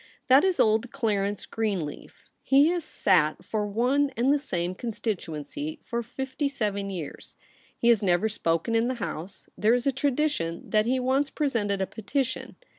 That Is old Clarence Greenleaf He has sat for one and the same constituency for fifty seven years. He has never spoken In the House ; there Is a tradition that he once presented a petition.